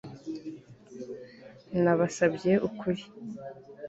Nabasabye ukuri